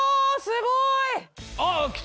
すごい！